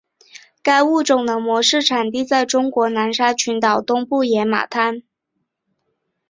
该物种的模式产地在中国南沙群岛东部野马滩。